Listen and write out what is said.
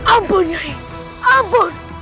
ampun nyai ampun